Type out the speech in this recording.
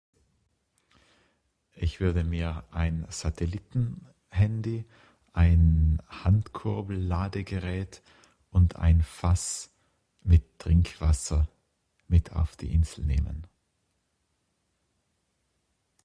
Ich würde mir ein Satelliten Handy ein Handkurbelladegerät und ein Fass mit Trinkwasser mit auf die Insel nehmen.